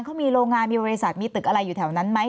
เขามีโรงงานมีบริษัทมีตึกอะไรอยู่แถวนั้นไหม